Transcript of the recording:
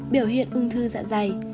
biểu hiện ung thư dạ dày